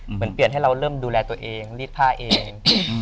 เปลี่ยนให้เราเริ่มดูแลตัวเองรีดผ้าเอง